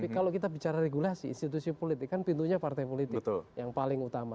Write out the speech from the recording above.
kalau kita bicara regulasi institusi politik kan pintunya partai politik yang paling utama